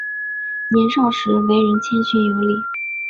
年少时为人谦逊有礼。